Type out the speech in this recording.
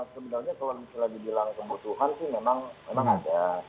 sebenarnya kalau misalnya dibilang kebutuhan sih memang ada